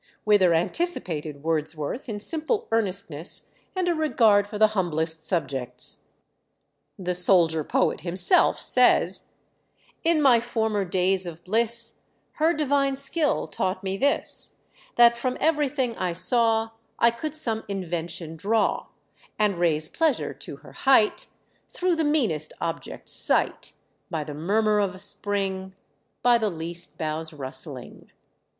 Wither anticipated Wordsworth in simple earnestness and a regard for the humblest subjects. The soldier poet himself says "In my former days of bliss, Her divine skill taught me this: That from everything I saw I could some invention draw, And raise pleasure to her height Through the meanest object's sight, By the murmur of a spring, By the least bough's rustling."